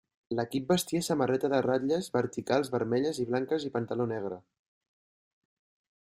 L'equip vestia samarreta de ratlles verticals vermelles i blanques i pantaló negre.